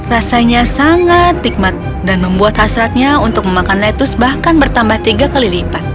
rasanya sangat nikmat dan membuat hasratnya untuk memakan lettuce bahkan bertambah tiga kali lipat